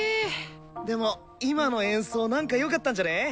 でも今の演奏なんかよかったんじゃね？